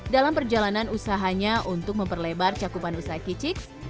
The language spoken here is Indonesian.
dalam perjalanan usahanya untuk memperlebar cakupan usai kicik